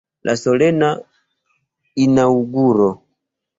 La solena inaŭguro.